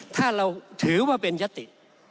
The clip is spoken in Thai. ถ้าเราถือว่าเป็นยติ